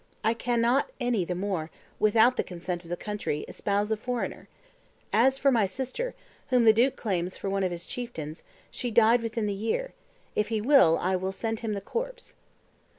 I cannot any the more, without the consent of the country, espouse a foreigner. As for my sister, whom the duke claims for one of his chieftains, she died within the year; if he will, I will send him the corpse."